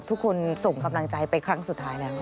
ทุกคนส่งกำลังใจไปครั้งสุดท้ายนะครับ